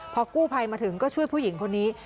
พอกู้ภัยมาถึงก็ช่วยผู้หญิงคนนี้